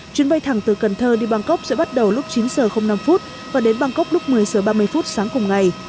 chuyến bay thẳng từ cần thơ đi bangkok sẽ bắt đầu lúc chín h năm và đến bangkok lúc một mươi giờ ba mươi phút sáng cùng ngày